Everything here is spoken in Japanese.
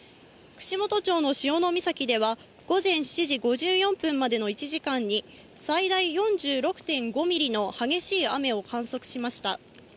串本町の潮岬では午前７時５４分までの１時間に、最大４６．５ミリの激しい雨を観測しました。